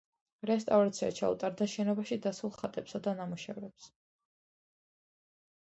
რესტავრაცია ჩაუტარდა შენობაში დაცულ ხატებსა და ნამუშევრებს.